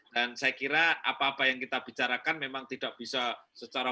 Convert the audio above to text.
dan saya kira apa apa yang kita bicarakan memang tidak bisa secara